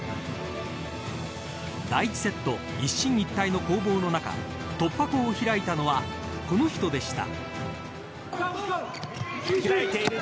第１セット、一進一退の攻防の中突破口を開いたのはこの人でした。